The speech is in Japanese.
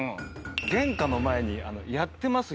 玄関の前にやってます